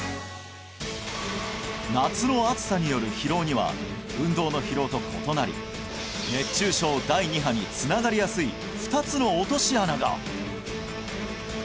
夏の暑さによる疲労には運動の疲労と異なり熱中症第二波につながりやすい２つの落とし穴が！